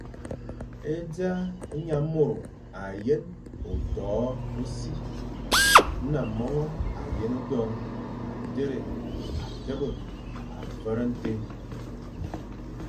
E dza, nyamôro â yén a toʼo ô si, na mongo a yén do, â téré a tebe a vere ntén.